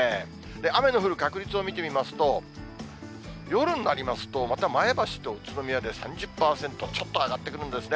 雨の降る確率を見てみますと、夜になりますと、また前橋と宇都宮で３０％、ちょっと上がってくるんですね。